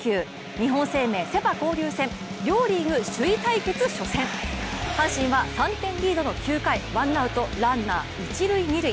日本生命セ・パ交流戦両リーグ首位対決初戦、阪神は３点リードの９回、ワンアウト・ランナー一塁・二塁。